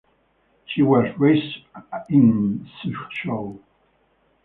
She was raised in Suzhou.